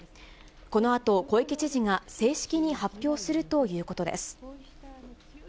このあと小池知事が正式に発表するということです。